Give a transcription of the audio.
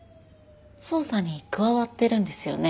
捜査に加わってるんですよね？